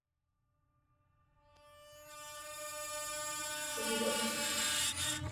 wa kidini ambao ni sehemu ya utamaduni na desturi ya siasa za TanzaniaPhilip